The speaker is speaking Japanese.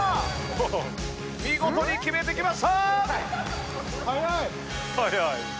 見事に決めてきました！